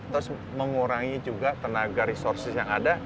terus mengurangi juga tenaga resources yang ada